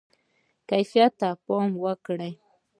کیفیت ته پام وکړئ